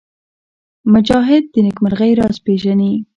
مجاهد د نېکمرغۍ راز پېژني.